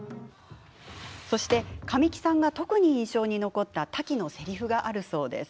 そして神木さんが特に印象に残ったタキのせりふがあるそうです。